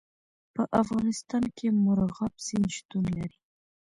په افغانستان کې مورغاب سیند شتون لري.